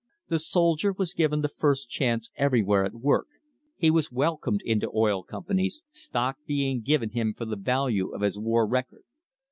The soldier was given the first chance everywhere at work, he was welcomed into oil companies, stock being given him for the value of his war record.